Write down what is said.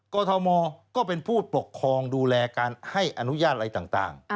กรทมก็เป็นผู้ปกครองดูแลการให้อนุญาตอะไรต่าง